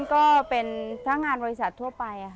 ก็เป็นพนักงานบริษัททั่วไป